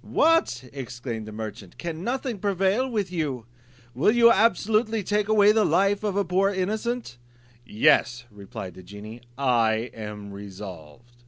"What!" exclaimed the merchant, "can nothing prevail with you? Will you absolutely take away the life of a poor innocent?" "Yes," replied the genie, "I am resolved."